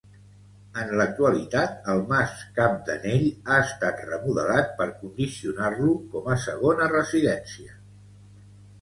En l'actualitat el mas Cap d'Anell ha estat remodelat per condicionar-lo com a segona residència.